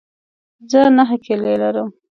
زه نهه کیلې لرم.